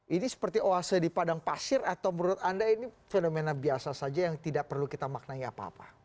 ini seperti oase di padang pasir atau menurut anda ini fenomena biasa saja yang tidak perlu kita maknai apa apa